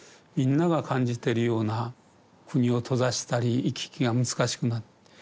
みんなが感じてるような国を閉ざしたり行き来が難しくなる。